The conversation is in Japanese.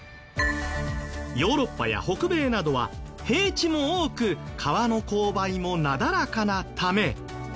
ヨーロッパや北米などは平地も多く川の勾配もなだらかなため。